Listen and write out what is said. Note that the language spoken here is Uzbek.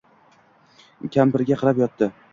Kampiriga qarab yotdi.